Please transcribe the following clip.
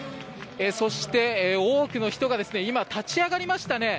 そして、多くの人が今、立ち上がりましたね。